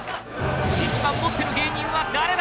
一番もってる芸人は誰だ！